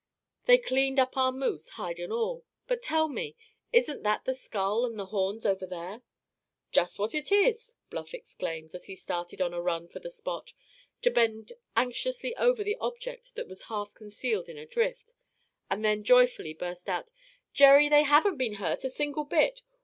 They cleaned up our moose, hide and all. But, tell me, isn't that the skull and the horns over there?" "Just what it is!" Bluff exclaimed, as he started on a run for the spot, to bend anxiously over the object that was half concealed in a drift, and then joyfully burst out: "Jerry, they haven't been hurt a single bit.